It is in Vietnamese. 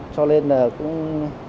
cho nên là cũng